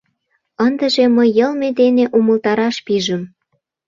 Ындыже мый йылме дене умылтараш пижым.